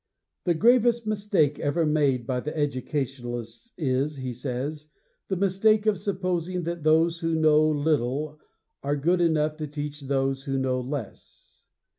The gravest mistake ever made by educationalists is, he says, the mistake of supposing that those who know little are good enough to teach those who know less.